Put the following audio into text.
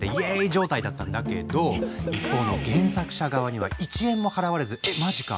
状態だったんだけど一方の原作者側には１円も払われずえまじか。